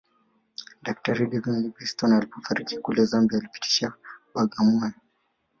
Daktari David Livingstone alipofariki kule Zambia alipitishwa Bagamoyo